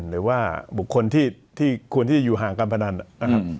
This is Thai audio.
หรือว่าบุคคลที่ควรที่จะอยู่ห่างการพนันนะครับ